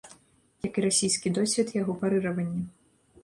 Як і расійскі досвед яго парыравання.